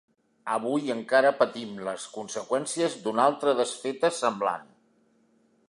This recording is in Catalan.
Avui encara patim les conseqüències d’una altra desfeta semblant.